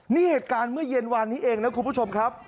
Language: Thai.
นี่เหตุการณ์เมื่อเย็นวานนี้เองนะคุณผู้ชมครับ